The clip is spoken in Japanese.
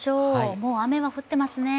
もう雨は降ってますね。